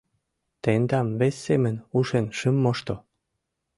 — Тендам вес семын ушен шым мошто...